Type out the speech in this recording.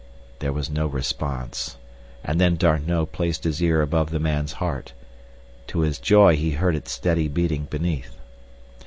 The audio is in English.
There was no response, and then D'Arnot placed his ear above the man's heart. To his joy he heard its steady beating beneath.